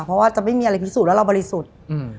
เพราะว่าจะไม่มีอะไรพิสูจน์ว่าเราบริสุทธิ์